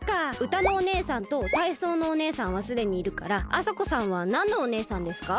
歌のお姉さんと体操のお姉さんはすでにいるからあさこさんはなんのお姉さんですか？